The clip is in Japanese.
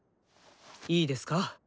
いいですか。